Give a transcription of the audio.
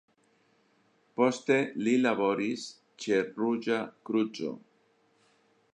Poste li laboris ĉe Ruĝa Kruco.